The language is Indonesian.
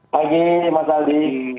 pagi mas aldi